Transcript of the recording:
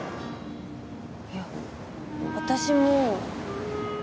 いや私も。